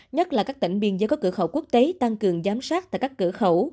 nhất là các tỉnh biên giới có cửa khẩu quốc tế tăng cường giám sát tại các cửa khẩu